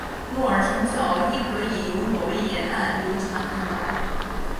诺尔辰角亦可以由挪威沿岸游船看到。